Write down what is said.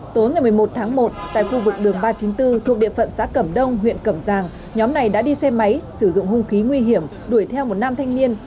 tối ngày một mươi một tháng một tại khu vực đường ba trăm chín mươi bốn thuộc địa phận xã cẩm đông huyện cẩm giang nhóm này đã đi xe máy sử dụng hung khí nguy hiểm đuổi theo một nam thanh niên